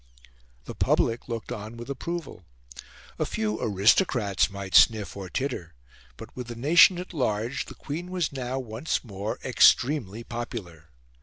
The public looked on with approval. A few aristocrats might sniff or titter; but with the nation at large the Queen was now once more extremely popular.